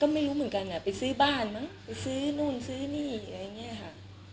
ไม่รู้เหมือนกันไปซื้อบ้านมั้งไปซื้อนู่นซื้อนี่อะไรอย่างนี้ค่ะ